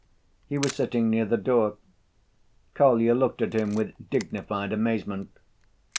He was sitting near the door. Kolya looked at him with dignified amazement.